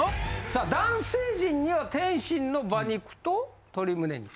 さあ男性陣には天心の馬肉と鶏むね肉。